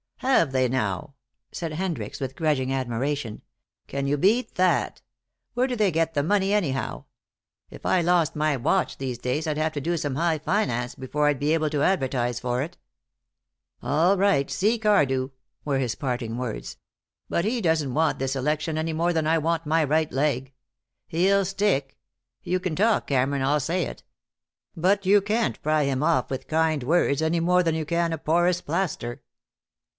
"Have they, now," said Hendricks, with grudging admiration. "Can you beat that? Where do they get the money, anyhow? If I lost my watch these days I'd have to do some high finance before I'd be able to advertise for it." "All right, see Cardew," were his parting words. "But he doesn't want this election any more than I want my right leg. He'll stick. You can talk, Cameron, I'll say it. But you can't pry him off with kind words, any more than you can a porous plaster."